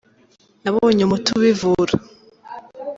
nabonye umuti ubivura.